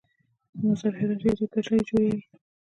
د مزار - هرات ریل پټلۍ جوړیږي؟